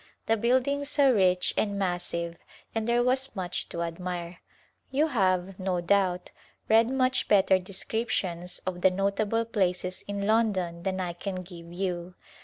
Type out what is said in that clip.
The buildings are rich and massive and there was much to admire. You have, no doubt, read much better descriptions of the notable places in London than I can give you.